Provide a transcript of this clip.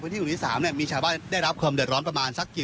พื้นที่หนึ่งที่สามเนี้ยมีชาวบ้านได้รับความเดินร้อนประมาณสักกี่